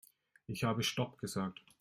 Ich habe stopp gesagt.